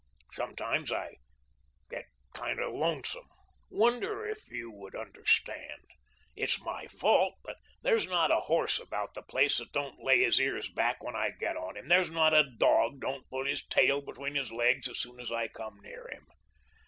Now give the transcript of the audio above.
Sometimes I get kind of lonesome; wonder if you would understand? It's my fault, but there's not a horse about the place that don't lay his ears back when I get on him; there's not a dog don't put his tail between his legs as soon as I come near him.